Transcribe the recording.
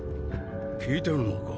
聞いてるのか？